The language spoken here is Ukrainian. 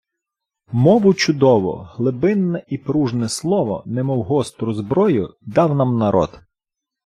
Мову чудову, глибинне і пружне слово, немов гостру зброю, дав нам народ